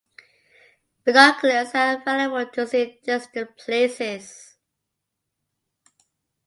Binoculars are available to see distant places.